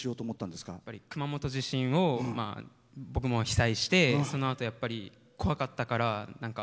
やっぱり熊本地震を僕も被災してそのあとやっぱり怖かったから。